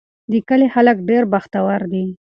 د کلي خلک ډېر بختور دي.